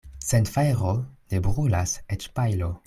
Sen fajro ne brulas eĉ pajlo.